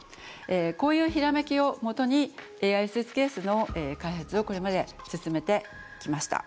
こういうひらめきをもとにＡＩスーツケースの開発をこれまで進めてきました。